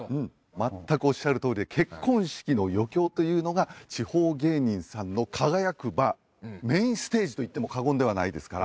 全くおっしゃるとおりで結婚式の余興というのが地方芸人さんの輝く場メインステージといっても過言ではないですから。